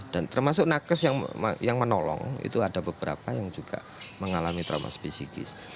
dan termasuk nakes yang menolong itu ada beberapa yang juga mengalami trauma psikis